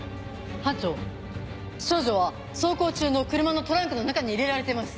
班長少女は走行中の車のトランクの中に入れられています。